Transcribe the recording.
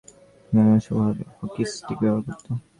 মারামারির সময় হকিস্টিক ব্যবহার করত।